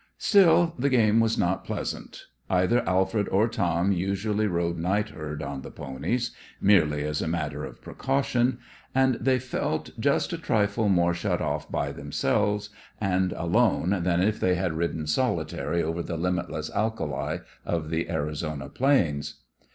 Still, the game was not pleasant. Either Alfred or Tom usually rode night herd on the ponies merely as a matter of precaution and they felt just a trifle more shut off by themselves and alone than if they had ridden solitary over the limitless alkali of the Arizona plains.